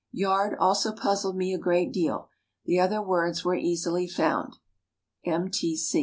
"Yard" also puzzled me a great deal. The other words were easily found. M.